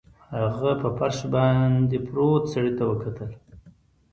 هغه په فرش باندې پروت سړي ته وکتل